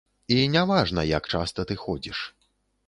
І не важна, як часта ты ходзіш.